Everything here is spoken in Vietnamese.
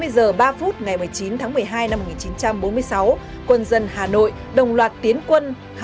hai mươi giờ ba phút ngày một mươi chín tháng một mươi hai năm một nghìn chín trăm bốn mươi sáu quân dân hà nội đồng loạt tiến quân